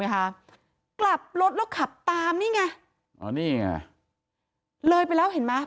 เหลยไปแล้วเห็นมั้ย